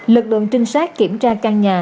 lực lượng trinh sát kiểm tra căn nhà